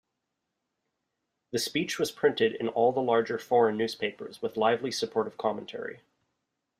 The speech was printed in all the larger foreign newspapers with lively supportive commentary.